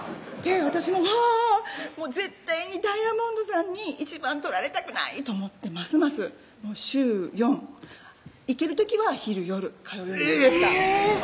私もあぁ絶対に金剛石さんに１番取られたくないと思ってますます週４行ける時は昼・夜通うようになりました